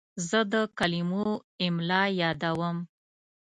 زه د کلمو املا یادوم.